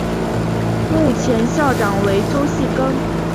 目前校长为周戏庚。